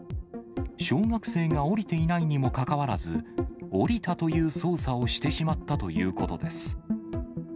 小学生が降りていないにもかかわらず、降りたという操作をしてしまったということです。